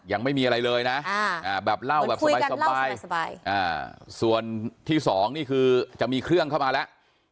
ยังไม่มีอะไรเลยนะแบบเล่าแบบสบายส่วนที่สองนี่คือจะมีเครื่องเข้ามาแล้ว